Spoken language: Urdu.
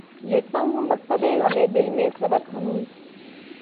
لیتا ہوں مکتبِ غمِ دل میں سبق ہنوز